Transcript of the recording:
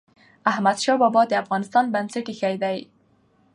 احمد شاه بابا د افغانستان بنسټ ايښی دی.